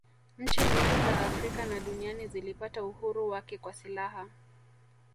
nchi nyingi za afrika na duniani zilipata uhuru wake kwa silaha